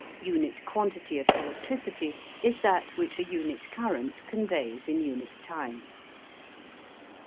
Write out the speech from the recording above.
UNIT QUANTITY of electricity is that which a unit current conveys in unit time.